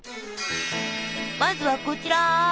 まずはこちら。